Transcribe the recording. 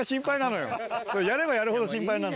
やればやるほど心配になる。